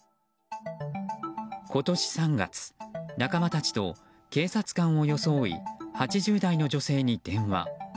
今年３月、仲間たちと警察官を装い８０代の女性に電話。